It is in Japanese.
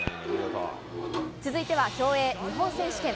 続いては競泳、日本選手権。